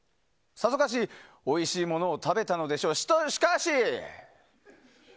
さぞかしおいしいものを食べたのでしょう。